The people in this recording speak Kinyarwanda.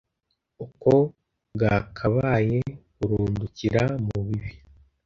uko bwakabaye burundukira mu bibi